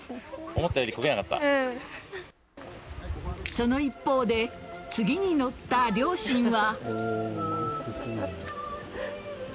その一方で次に乗った両親は。